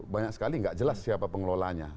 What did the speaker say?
banyak sekali nggak jelas siapa pengelolanya